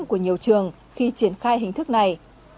của nhiều trường khi triển khai hình thức này